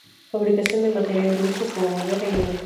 Fabricación en materiales mixtos como madera y el metal.